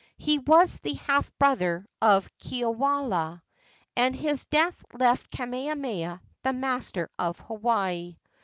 He was the half brother of Kiwalao, and his death left Kamehameha the master of Hawaii.